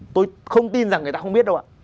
tôi không tin rằng người ta không biết đâu ạ